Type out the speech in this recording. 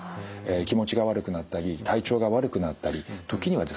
気持ちが悪くなったり体調が悪くなったり時にはですね